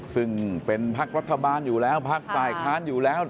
ซึ่งเป็นพักรัฐบาลอยู่แล้วพักฝ่ายค้านอยู่แล้ว